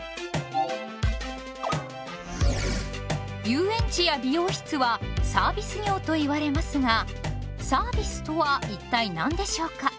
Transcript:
遊園地や美容室はサービス業と言われますがサービスとは一体何でしょうか？